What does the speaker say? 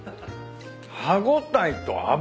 歯応えと脂。